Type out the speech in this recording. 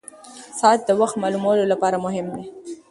ساعت د وخت معلومولو لپاره مهم ده.